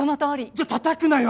じゃあたたくなよ！